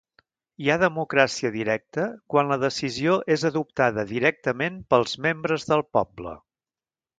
Hi ha democràcia directa quan la decisió és adoptada directament pels membres del poble.